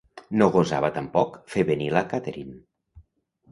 No gosava tampoc fer venir la Catherine.